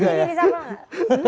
ketua pssi harus diresuffle gak